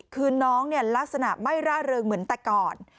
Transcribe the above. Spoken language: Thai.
คือน้องลักษณะไม่ร่าเริงเหมือนแต่ก่อน